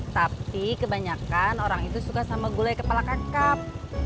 tapi kebanyakan orang itu suka sama gulai kepala kecap